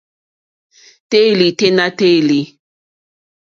Téèlì tɛ́ nà téèlì.